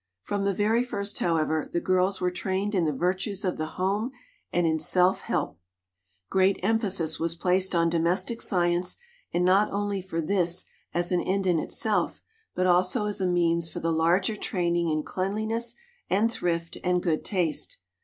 From the very first, however, the girls were trained in the virtues of the home, and in self help. Great emphasis was placed on MART McLEOD BETHUNE 77 domestic science, and not only for this as an end in itself, but also as a means for the larger training in cleanliness and thrift and good taste.